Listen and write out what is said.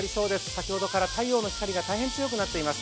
先ほどから太陽の光が大変強くなっています。